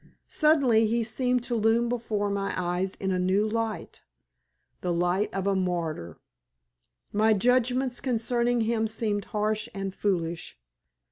Suddenly he seemed to loom before my eyes in a new light the light of a martyr. My judgments concerning him seemed harsh and foolish.